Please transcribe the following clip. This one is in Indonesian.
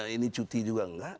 ini cuti juga tidak